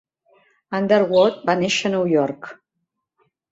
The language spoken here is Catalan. Underwood va néixer a Nova York.